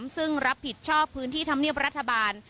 ซึ่งรับผิดชอบพื้นที่ธรรมเนียบรัฐบาล